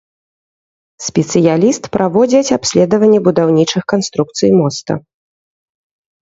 Спецыяліст праводзяць абследаванне будаўнічых канструкцый моста.